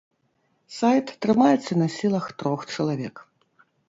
Сайт трымаецца на сілах трох чалавек.